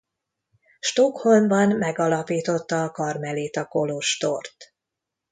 Stockholmban megalapította a karmelita kolostort.